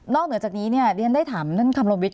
นอกเหนือจากนี้เนี่ยเรียนได้ถามคำลนวิทย์